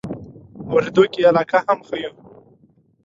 اورېدو کې یې علاقه هم ښیو.